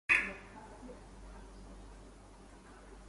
Its value is derived from the intrinsic value of the commodity.